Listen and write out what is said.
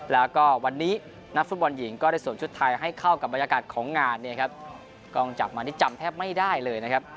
แล้วก็วันนี้นักฟุตบอลหญิงก็ได้สวมชุดไทยให้เข้ากับบรรยากาศของงานเนี่ยครับกล้องจับมานี่จำแทบไม่ได้เลยนะครับ